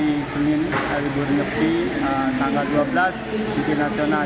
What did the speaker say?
di senin hari libur nyepi tanggal dua belas di nasional